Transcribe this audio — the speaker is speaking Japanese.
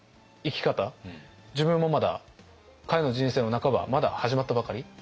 自分もまだ彼の人生の半ばまだ始まったばかり。